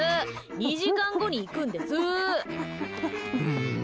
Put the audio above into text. ２時間後に行くんです！